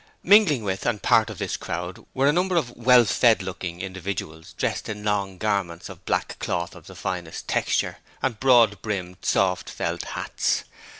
Mingling with and part of this crowd were a number of well fed looking individuals dressed in long garments of black cloth of the finest texture, and broad brimmed soft felt hats.